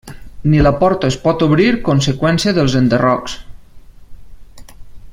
Ni la porta es pot obrir conseqüència dels enderrocs.